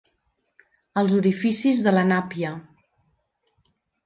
Els orificis de la nàpia.